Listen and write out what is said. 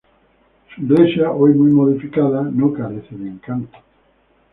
Su iglesia, hoy muy modificada, no carece de encanto.